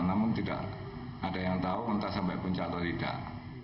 namun tidak ada yang tahu entah sampai puncak atau tidak